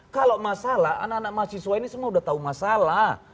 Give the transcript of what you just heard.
kalau masalah anak anak mahasiswa ini semua sudah tahu masalah